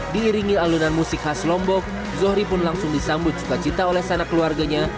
diiringi alunan musik khas lombok zohri pun langsung disambut suka cita oleh sana keluarganya